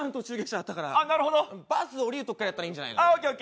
バス降りるところからやったらいいんじゃないの。